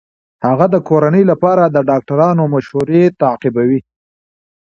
هغه د کورنۍ لپاره د ډاکټرانو مشورې تعقیبوي.